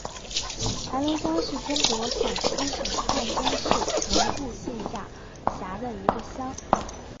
盘龙乡是中国陕西省汉中市城固县下辖的一个乡。